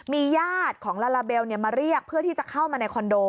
มีญาติของลาลาเบลมาเรียกเพื่อที่จะเข้ามาในคอนโด